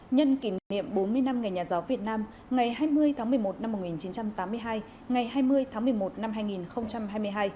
nhân kỷ niệm bốn mươi năm ngày nhà giáo việt nam ngày hai mươi tháng một mươi một năm một nghìn chín trăm tám mươi hai ngày hai mươi tháng một mươi một năm hai nghìn hai mươi hai